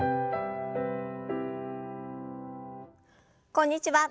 こんにちは。